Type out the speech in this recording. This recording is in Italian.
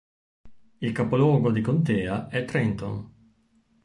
Il capoluogo di contea è Trenton.